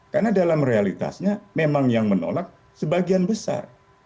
karena dalam realitasnya memang yang menolak sebagian besar